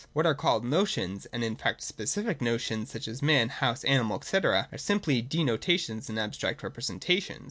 — What are called notions, and in fact specific notions, such as man, house, animal, &c., are simply denotations and abstract representations.